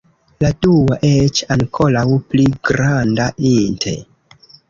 La dua, eĉ ankoraŭ pli granda int.